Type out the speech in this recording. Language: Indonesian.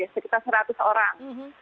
sekitar seratus orang